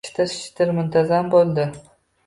Shitir-shitir muntazam bo‘ldi.